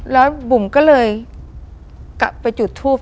แล้วบุ๋มก็เลยกลับไปจุดทูป